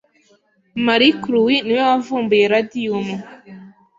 Marie Curie ni we wavumbuye radium.